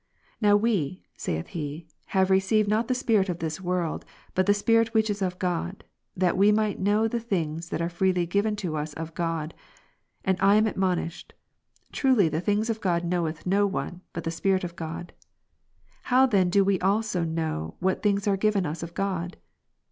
Now we (saith he) have received, not the spirit of this world, but the Spirit which is of God, that we might know the things that are freehj given to us of God. And I am admonished, "Truly the things of God knoweth no one, but the Spirit of God: how then do we also know, ivhat things are given us of God?"